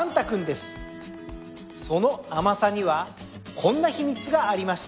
その甘さにはこんな秘密がありました。